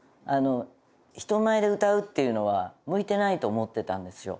人前で歌うっていうのは向いてないと思ってたんですよ。